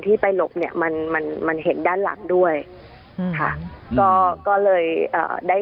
ที่ไปหลบเนี้ยมันมันเห็นด้านหลังด้วยอืมค่ะก็ก็เลยเอ่อได้